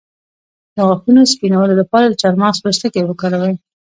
د غاښونو سپینولو لپاره د چارمغز پوستکی وکاروئ